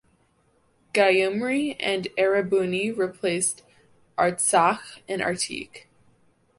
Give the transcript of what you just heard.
Gyumri and Erebuni replaced Artsakh and Artik.